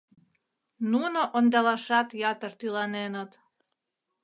Нуно ондалашат ятыр тӱланеныт.